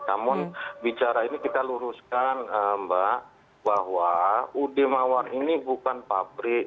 namun bicara ini kita luruskan mbak bahwa ud mawar ini bukan pabrik